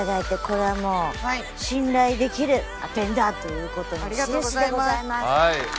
これはもう信頼できるアテンダーという事の印でございます。